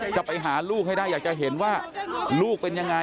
จะไปหาลูกให้ได้อยากจะเห็นว่าลูกเป็นยังไง